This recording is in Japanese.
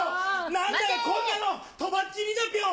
何だよこんなのとばっちりだピョン。